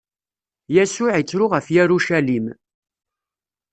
Yasuɛ ittru ɣef Yarucalim.